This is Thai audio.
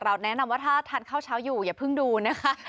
แนะนำว่าถ้าทานข้าวเช้าอยู่อย่าเพิ่งดูนะคะ